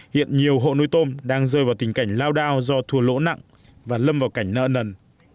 hiện nhiều hộ nuôi tôm đang rơi vào tình cảnh lao đao do thua lỗ nặng và lâm vào cảnh nợ nần